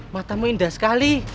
matamu indah sekali